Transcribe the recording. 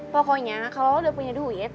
pokoknya kalo lo udah punya duit